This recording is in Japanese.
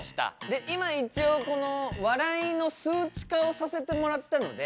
で今一応この笑いの数値化をさせてもらったので。